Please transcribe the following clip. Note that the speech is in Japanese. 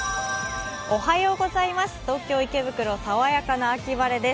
東京・池袋、爽やかな秋晴れです。